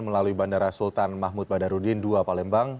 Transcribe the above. melalui bandara sultan mahmud badarudin ii palembang